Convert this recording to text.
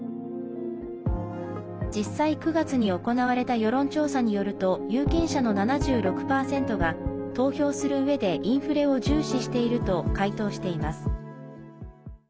実際、９月に行われた世論調査によると有権者の７６％が投票するうえでインフレを重視していると回答しています。